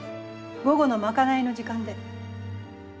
午後の賄いの時間で。